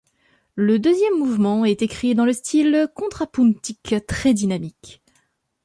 Le deuxième mouvement est écrit dans le style contrapuntique, très dynamique.